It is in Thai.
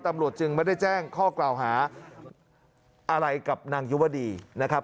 ตำรวจจึงไม่ได้แจ้งข้อกล่าวหาอะไรกับนางยุวดีนะครับ